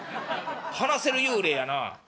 話せる幽霊やな」。